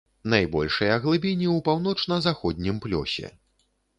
Найбольшыя глыбіні ў паўночна-заходнім плёсе.